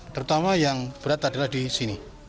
terutama yang berat adalah di sini